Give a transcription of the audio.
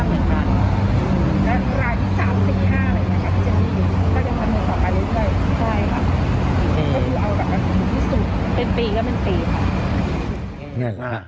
นี่ค่ะ